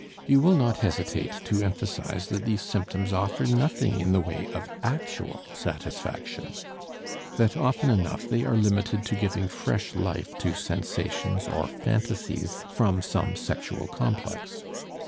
You will not hesitate to emphasize that these symptoms offer nothing in the way of actual satisfaction, that often enough they are limited to giving fresh life to sensations or phantasies from some sexual complex.